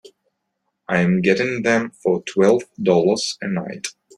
I'm getting them for twelve dollars a night.